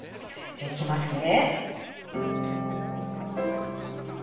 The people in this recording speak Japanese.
じゃあいきますね。